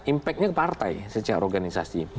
impact nya ke partai secara organisasi